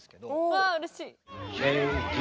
わあうれしい！